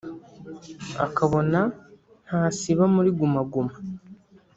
akabona ntasiba muri Guma Guma